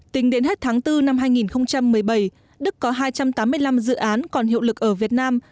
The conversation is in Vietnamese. tính đến hết tháng bốn năm hai nghìn một mươi bảy đức có hai trăm tám mươi năm dự án còn hiệu lực ở việt nam